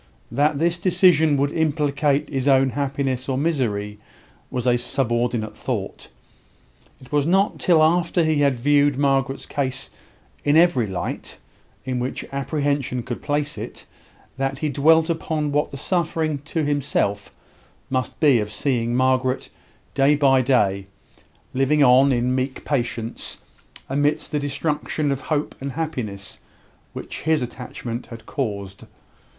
That this decision would implicate his own happiness or misery was a subordinate thought. It was not till after he had viewed Margaret's case in every light, in which apprehension could place it, that he dwelt upon what the suffering to himself must be of seeing Margaret, day by day, living on, in meek patience, amidst the destruction of hope and happiness which his attachment had caused.